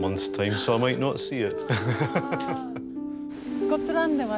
スコットランドではね